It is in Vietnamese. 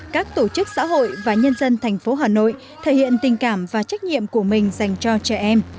các tổ chức xã hội và nhân dân thành phố hà nội thể hiện tình cảm và trách nhiệm của mình dành cho trẻ em